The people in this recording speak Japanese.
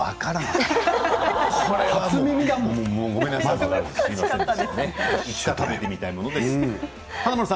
いつか食べてみたいものです。